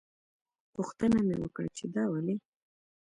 پوښتنه مې وکړه چې دا ولې.